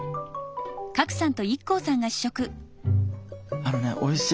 あのねおいしい。